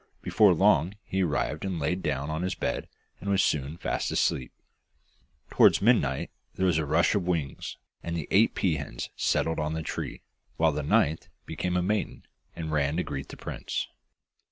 Before long he arrived and laid down on his bed, and was soon fast asleep. Towards midnight there was a rush of wings, and the eight pea hens settled on the tree, while the ninth became a maiden, and ran to greet the prince.